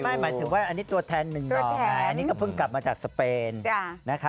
หมายถึงว่าอันนี้ตัวแทนหนึ่งเลยอันนี้ก็เพิ่งกลับมาจากสเปน